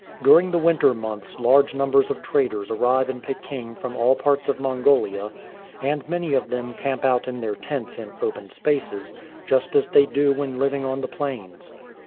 During the winter months large numbers of traders arrive in Peking from all parts of Mongolia, and many of them camp out in their tents in open spaces, just as they do when living on the plains.